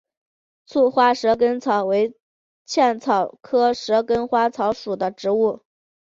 簇花蛇根草为茜草科蛇根草属的植物。